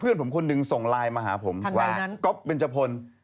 เพื่อนผมคนหนึ่งส่งไลน์มาหาผมว่าก๊อฟเบนจพล